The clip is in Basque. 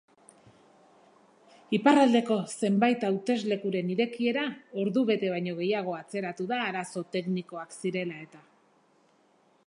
Iparraldeko zenbait hauteslekuren irekiera ordubete baino gehiago atzeratu da arazo teknikoak zirela eta.